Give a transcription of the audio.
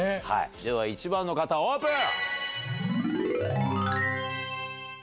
では１番の方オープン！